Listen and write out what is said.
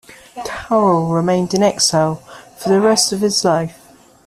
Carol remained in exile for the rest of his life.